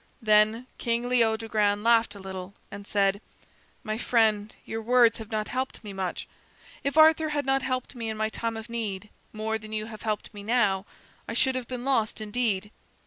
Then King Leodogran laughed a little and said: "My friend, your words have not helped me much. If Arthur had not helped me in my time of need more than you have helped me now, I should have been lost indeed.